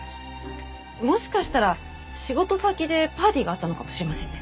もしかしたら仕事先でパーティーがあったのかもしれませんね。